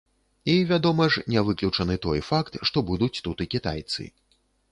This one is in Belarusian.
І, вядома ж, не выключаны той факт, што будуць тут і кітайцы.